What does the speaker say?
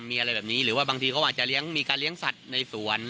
มีอะไรแบบนี้หรือว่าบางทีเขาอาจจะเลี้ยงมีการเลี้ยงสัตว์ในสวน